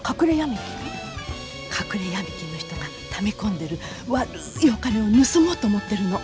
隠れヤミ金の人がため込んでる悪いお金を盗もうと思ってるの。